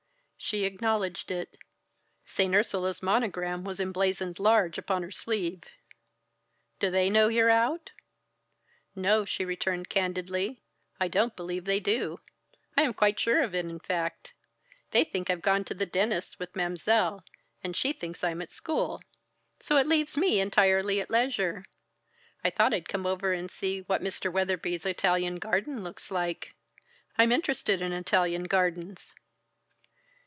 She acknowledged it. Saint Ursula's monogram was emblazoned large upon her sleeve. "Do they know you're out?" "No," she returned candidly, "I don't believe they do. I am quite sure of it in fact. They think I've gone to the dentist's with Mam'selle, and she thinks I'm at school. So it leaves me entirely at leisure. I thought I'd come over and see what Mr. Weatherby's Italian garden looks like. I'm interested in Italian gardens."